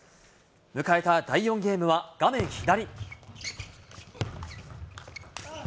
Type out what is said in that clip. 迎えた第４ゲームは画面左。